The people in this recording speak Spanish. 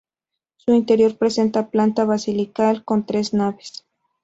Su interior presenta planta basilical, con tres naves.